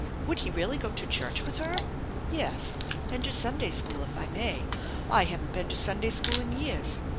Would he really go to church with her ?" Yes, and to Sunday School if I may. I haven't been to Sunday School in years.